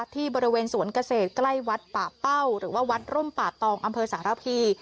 ที่บริเวณสวนเกษตรใกล้วัดป่าเป้าหรือว่าวัดร่มป่าตองอำเภอสารพี